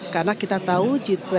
karena kita tahu g dua puluh